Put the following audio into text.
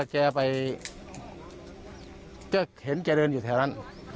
จะแจไปจะเห็นแจเดินอยู่แถวนั้น